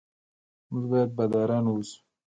موږ باید باداران اوسو.